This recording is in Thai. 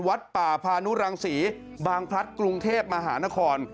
วัดป่าพานุรังศรีบางพลัดกรุงเทพมหานคร